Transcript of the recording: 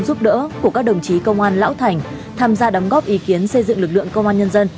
giúp đỡ của các đồng chí công an lão thành tham gia đóng góp ý kiến xây dựng lực lượng công an nhân dân